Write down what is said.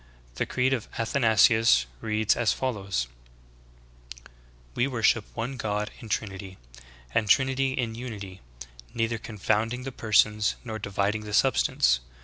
The "Creed of Athanasius" reads as follows : 19. "We worship one God in Trinity, and Trinity in Unity, neither confounding the persons, nor dividing the substance.